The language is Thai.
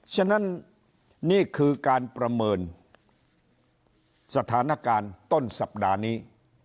ฉะนั้นนี่คือการประเมินสถานการณ์ต้นสัปดาห์นี้